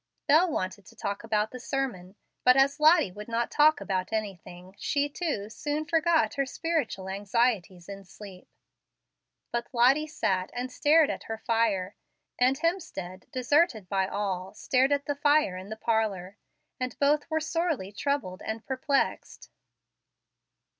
Bel wanted to talk about the sermon, but as Lottie would not talk about anything, she, too, soon forgot her spiritual anxieties in sleep. But Lottie sat and stared at her fire, and Hemstead, deserted by all, stared at the fire in the parlor; and both were sorely troubled and perplexed.